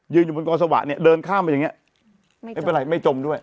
อยู่บนกอสวะเนี่ยเดินข้ามไปอย่างเงี้ยไม่เป็นไรไม่จมด้วย